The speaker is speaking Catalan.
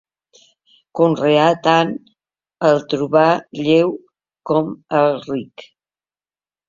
Conreà tant el trobar lleu com el ric.